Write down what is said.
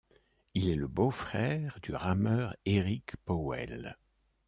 Il est le beau-frère du rameur Eric Powell.